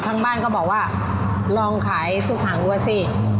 ทางบ้านก็บอกว่าลองขายซุปหางวัวสิ